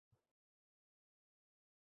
Tolqon to‘yimli bo‘ladi.